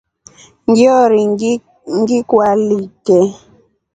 Ngiori ngikualike.